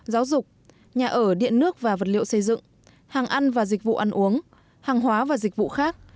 giáo dục nhà ở điện nước và vật liệu xây dựng hàng ăn và dịch vụ ăn uống hàng hóa và dịch vụ khác